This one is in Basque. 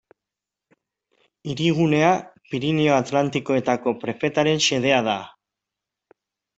Hirigunea Pirinio Atlantikoetako prefetaren xedea da.